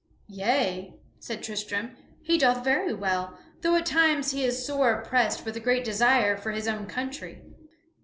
"Yea," said Tristram, "he doeth very well, though at times he is sore oppressed with a great desire for his own country."